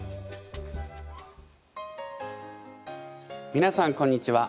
みなさんこんにちは。